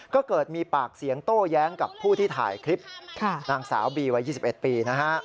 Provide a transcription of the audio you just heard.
ก็เกิดมีปากเสียงโต้แย้งกับผู้ที่ถ่ายคลิปนางสาวบีวัย๒๑ปีนะฮะ